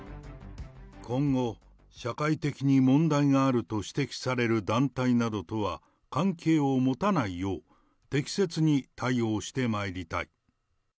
今後、社会的に問題があると指摘される団体などとは関係を持たないよう、適切に対応してまいりたい。